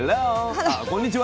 あこんにちは。